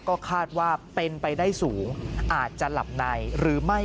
ก็คาดว่าเป็นไปได้สูงอาจจะหลับในหรือไม่